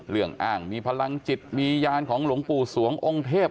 อ้างมีพลังจิตมียานของหลวงปู่สวงองค์เทพ